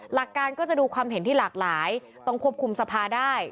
หลักการก็จะดูความเห็นที่หลากหลายต้องควบคุมสภาได้